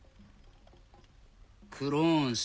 クローンさ。